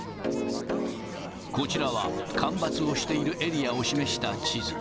こちらは干ばつをしているエリアを示した地図。